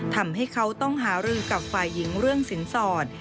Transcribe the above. ทำให้เขาต้องหารือกับฝ่ายหญิงเรื่องสินสอด